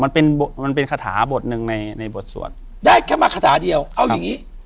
มันเป็นมันเป็นคาถาบทหนึ่งในในบทสวดได้แค่มาคาถาเดียวเอาอย่างงี้